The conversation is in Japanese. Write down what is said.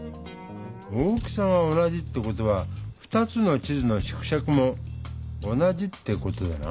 大きさが同じって事は２つの地図の縮尺も同じって事だな。